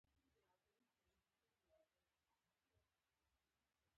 د پوځیانو د شمېر زیاتوالی او د سړکونو لږوالی.